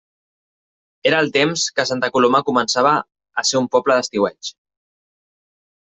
Era el temps que Santa Coloma començava a ser un poble d'estiueig.